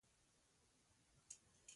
سروبي ولسوالۍ د کابل ولايت ستر ولسوالي ده.